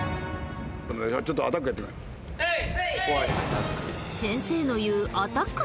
はい。